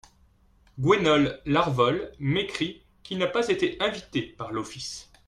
Gwenole Larvol m’écrit qu’il n’a pas été invité par l’Office.